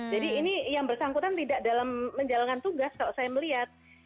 jadi ini yang bersangkutan tidak dalam menjalankan tugas kalau saya melihat